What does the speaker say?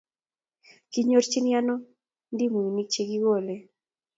Kinyorchini ano ndimuinik che kikole